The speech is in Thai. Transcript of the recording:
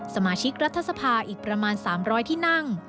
สมาชิกรัฐสภาอีกประมาณ๓๐๐ที่นั่ง